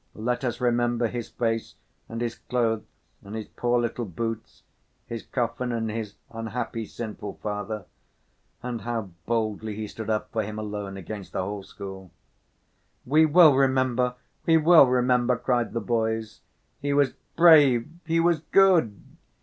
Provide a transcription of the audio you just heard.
"Let us remember his face and his clothes and his poor little boots, his coffin and his unhappy, sinful father, and how boldly he stood up for him alone against the whole school." "We will remember, we will remember," cried the boys. "He was brave, he was good!"